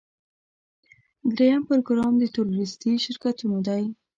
دریم پروګرام د تورېستي شرکتونو دی.